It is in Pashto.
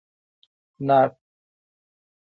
🍐ناک